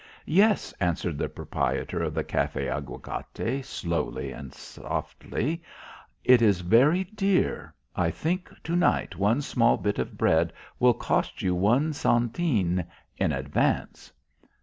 "Yes," answered the proprietor of the Café Aguacate slowly and softly. "It is very dear. I think to night one small bit of bread will cost you one centene in advance."